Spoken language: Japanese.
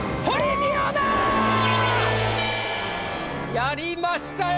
やりましたよ！